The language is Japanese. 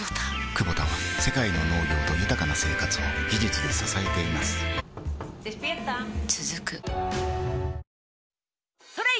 クボタは世界の農業と豊かな生活を技術で支えています起きて。